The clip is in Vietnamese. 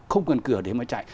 không cần cửa để mà chạy